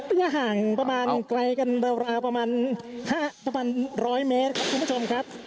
ห่างประมาณไกลกันราวประมาณ๑๐๐เมตรครับคุณผู้ชมครับ